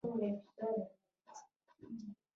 کروندګرو ډېره ابتدايي ټکنالوژي کاروله